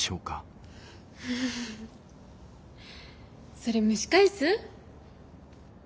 それ蒸し返す？